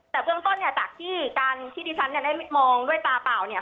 แต่เบื้องต้นเนี่ยจากที่การที่ดิฉันเนี่ยได้มองด้วยตาเปล่าเนี่ย